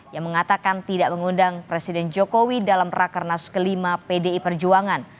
yang mengatakan tidak mengundang presiden jokowi dalam rakernas kelima pdi perjuangan